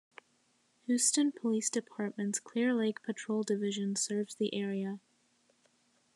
Houston Police Department's Clear Lake Patrol Division serves the area.